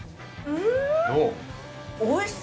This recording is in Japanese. うん。